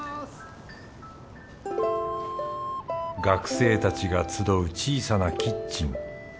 学生たちが集う小さなキッチン。